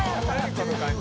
この感じ。